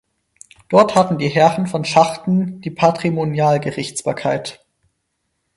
Dort hatten die Herren von Schachten die Patrimonialgerichtsbarkeit.